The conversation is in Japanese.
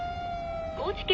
高知県